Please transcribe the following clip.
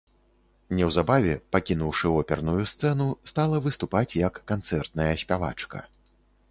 Неўзабаве, пакінуўшы оперную сцэну, стала выступаць як канцэртная спявачка.